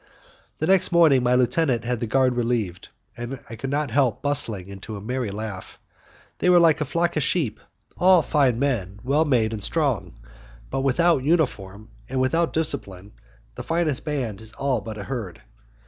The next morning my lieutenant had the guard relieved, and I could not help bursting into a merry laugh. They were like a flock of sheep: all fine men, well made and strong; but without uniform and without discipline the finest band is but a herd.